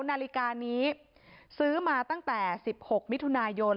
นาฬิกานี้ซื้อมาตั้งแต่๑๖มิถุนายน